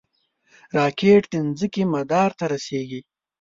راکټ د ځمکې مدار ته رسېږي